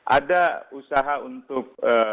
ada usaha untuk